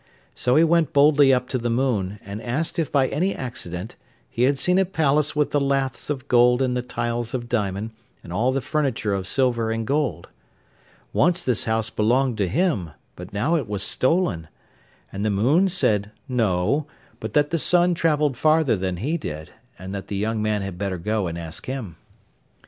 So he went boldly up to the moon, and asked if by any accident he had seen a palace with the laths of gold and the tiles of diamond, and all the furniture of silver and gold. Once this house belonged to him, but now it was stolen. And the moon said no, but that the sun travelled farther than he did, and that the young man had better go and ask him.